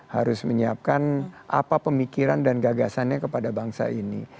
harus menyiapkan apa pemikiran dan gagasannya kepada bangsa ini